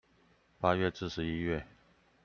八月至十一月